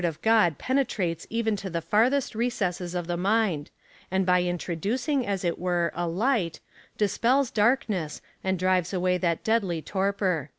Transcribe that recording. But the Word of God penetrates even to the farthest recesses of the mind, and by introducing, as it were, a light, dispels darkness, and drives away that deadly torpor.